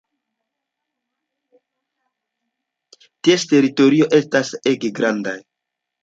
Ties teritorioj estas ege grandaj.